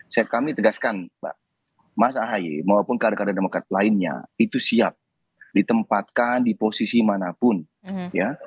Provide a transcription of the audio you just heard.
siap kami tegaskan mbak mas ahaye maupun kader kader demokrat lainnya itu siap ditempatkan di posisi manapun ya